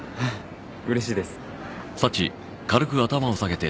うれしいです